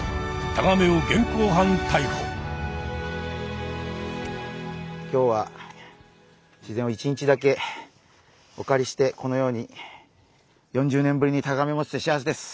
タガメを今日は自然を１日だけお借りしてこのように４０年ぶりにタガメ持てて幸せです。